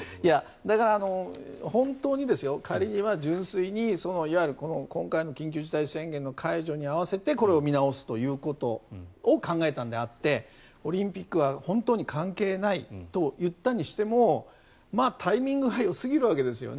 だから、本当に仮に純粋に今回の緊急事態宣言の解除に合わせてこれを見直すということを考えたんであってオリンピックは本当に関係ないと言ったにしてもタイミングがよすぎるわけですよね。